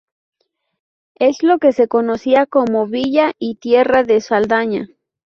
Es lo que se conocía como Villa y Tierra de Saldaña.